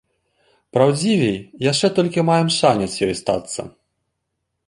Праўдзівей, яшчэ толькі маем шанец ёй стацца.